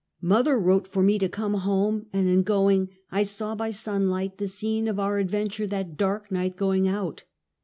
Mother wrote for me to come home; and in going I saw, by sunlight, the scene of our adventure that dark night going out.